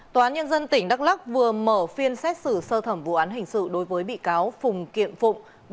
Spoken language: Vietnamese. tòa án nhân dân tỉnh đắk lắc vừa mở phiên xét xử sơ thẩm vụ án hình sự đối với bị cáo phùng kiệm phụng